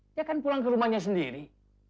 dia akan pulang ke rumahnya sendiri